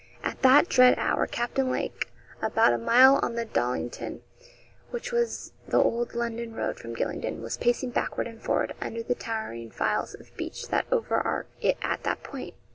At that dread hour, Captain Lake, about a mile on the Dollington, which was the old London road from Gylingden, was pacing backward and forward under the towering files of beech that overarch it at that point.